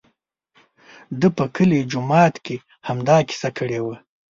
ده په کلي جومات کې همدا کیسه کړې وه.